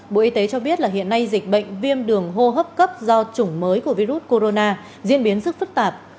bộ y tế cho biết là hiện nay dịch bệnh viêm đường hô hấp cấp do chủng mới của virus corona diễn biến rất phức tạp